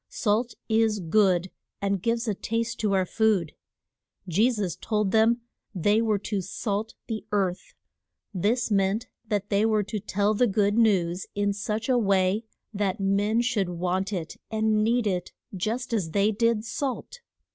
Salt is good, and gives a taste to our food. Je sus told them they were to salt the earth. This meant that they were to tell the good news in such a way that men should want it and need it just as they did salt.